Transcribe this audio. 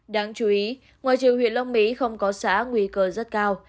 đáng chú ý ngoài trường huyện long mỹ không có xã nguy cơ rất cao